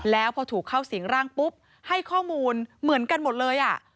แล้วพอถูกเข้าสิงร่างปุ๊บให้ข้อมูลเหมือนกันหมดเลย